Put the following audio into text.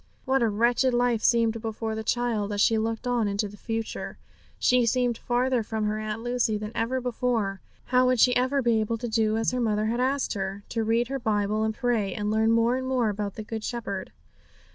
What a wretched life seemed before the child as she looked on into the future! She seemed farther from her Aunt Lucy than ever before. And how would she ever be able to do as her mother had asked her to read her Bible, and pray, and learn more and more about the Good Shepherd.